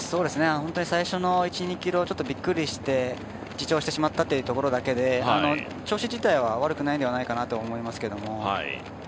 最初の１２ｋｍびっくりして自重してしまったというところだけで調子自体は悪くないんではないかなと思いますけど。